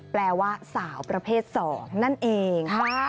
แปลว่าสาวประเภท๒นั่นเอง